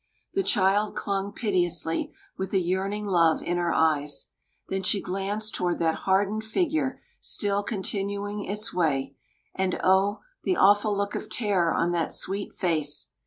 The child clung piteously, with a yearning love in her eyes. Then she glanced toward that hardened figure still continuing its way, and, O, the awful look of terror on that sweet face!